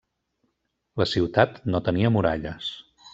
La ciutat no tenia muralles.